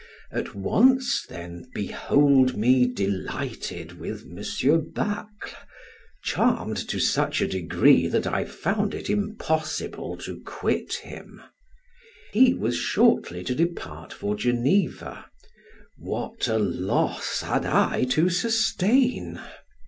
At once, then, behold me delighted with M. Bacle; charmed to such a degree that I found it impossible to quit him. He was shortly to depart for Geneva; what a loss had I to sustain!